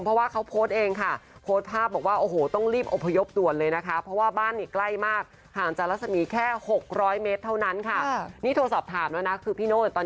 เพราะว่าเขาโพสต์เองค่ะโพสต์ภาพบอกว่าอะไรกันพอ